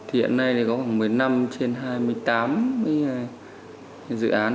hiện nay thì có khoảng một mươi năm trên hai mươi tám dự án